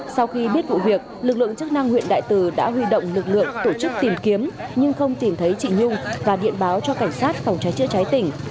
sau khi biết vụ việc lực lượng chức năng huyện đại từ đã huy động lực lượng tổ chức tìm kiếm nhưng không tìm thấy chị nhung và điện báo cho cảnh sát phòng cháy chữa cháy tỉnh